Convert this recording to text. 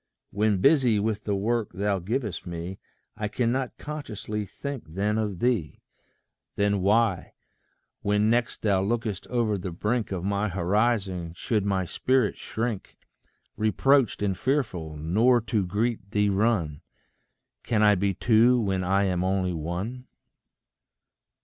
When busy with the work thou givest me, I cannot consciously think then of thee. Then why, when next thou lookest o'er the brink Of my horizon, should my spirit shrink, Reproached and fearful, nor to greet thee run? Can I be two when I am only one.